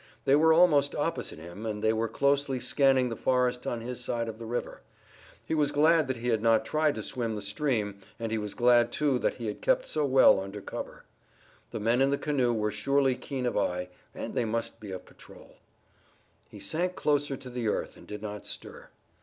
They were almost opposite him and they were closely scanning the forest on his side of the river. He was glad that he had not tried to swim the stream, and he was glad too that he had kept so well under cover. The men in the canoe were surely keen of eye, and they must be a patrol. He sank closer to the earth and did not stir.